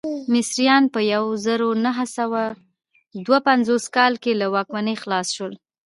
مصریان په یو زرو نهه سوه دوه پنځوس کال کې له واکمنۍ خلاص شول.